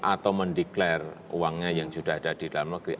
atau mendeklarasi uangnya yang sudah ada di dalam negeri